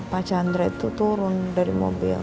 pak chandra itu turun dari mobil